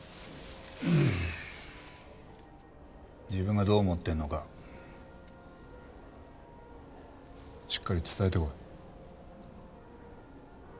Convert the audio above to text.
自分がどう思ってるのかしっかり伝えてこい。